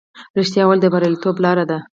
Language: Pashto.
رښتیا ویل د بریالیتوب لاره ده.